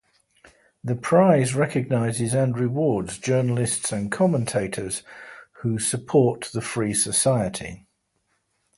The prize recognises and rewards journalists and commentators who support the free society.